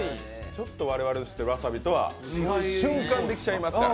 ちょっと我々の知っているわさびとは瞬間にきちゃいますから。